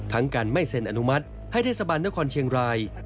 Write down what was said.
การไม่เซ็นอนุมัติให้เทศบาลนครเชียงราย